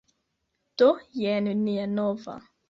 Do, jen nia nova...